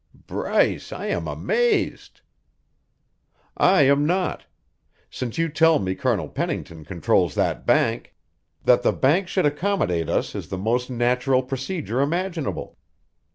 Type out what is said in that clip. "Bryce, I am amazed." "I am not since you tell me Colonel Pennington controls that bank. That the bank should accommodate us is the most natural procedure imaginable.